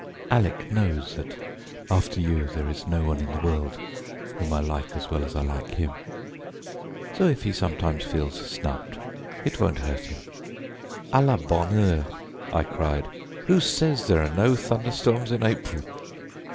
"Alec knows that after you there is no one in the world whom I like as well as I like him, so if he sometimes feels snubbed it won't hurt him." "À la bonheur!" I cried, "who says there are no thunderstorms in April?"